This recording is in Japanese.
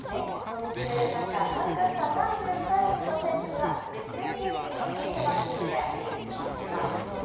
見つめる中、参加した３３人の選手は、実戦形式のシートバッティングでアピールしました。